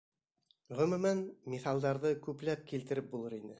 Ғөмүмән, миҫалдарҙы күпләп килтереп булыр ине.